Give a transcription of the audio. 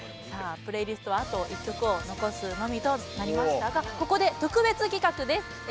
さあプレイリストはあと１曲を残すのみとなりましたがここで特別企画です。